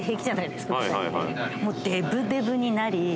もうデブデブになり。